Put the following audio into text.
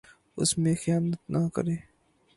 اس میں خیانت نہ کرے